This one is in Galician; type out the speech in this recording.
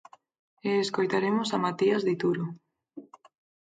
E escoitaremos a Matías Dituro.